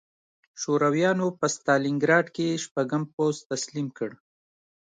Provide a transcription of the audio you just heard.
شورویانو په ستالینګراډ کې شپږم پوځ تسلیم کړ